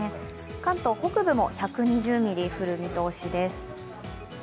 関東北部も１２０ミリ降る見通しです。